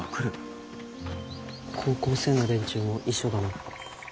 高校生の連中も一緒だな。